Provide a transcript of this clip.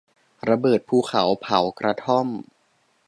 ระเบิดภูเขาเผากระท่อม